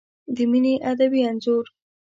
د مینې ادبي انځور